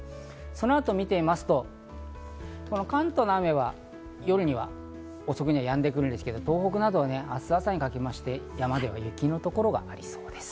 そのあとを見てみますと、関東の雨は夜遅くにはやんでくるんですけど、東北などは明日朝にかけまして山では雪の所がありそうです。